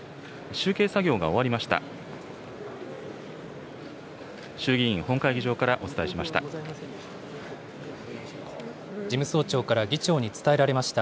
集計作業が終わりました。